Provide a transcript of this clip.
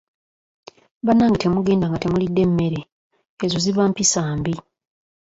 Bannange temugenda nga temulidde mmere, ezo ziba mpisa mbi.